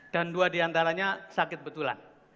dan dua di antaranya sakit betulan